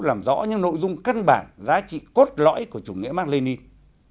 làm rõ những nội dung cân bản giá trị cốt lõi của chủ nghĩa mạc lê ninh